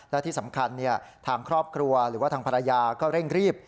และที่สำคัญทางครอบครัวหรือว่าทางภรรยาก็เร่งรีบ